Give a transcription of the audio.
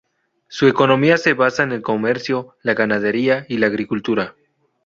Su economía se basa en el comercio, la ganadería y la agricultura.